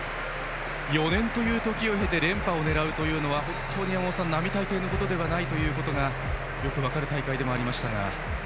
４年という時を経て連覇を狙うというのは本当に山本さん並大抵のことではないのがよく分かる大会ではありましたが。